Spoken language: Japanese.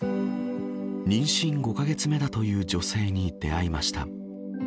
妊娠５カ月目だという女性に出会いました。